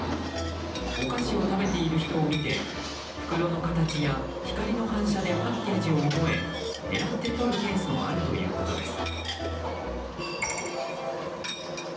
お菓子を食べている人を見て袋の形や光の反射でパッケージを覚え狙ってとるケースもあるということです。